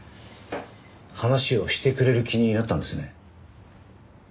話をしてくれる気になったんですね。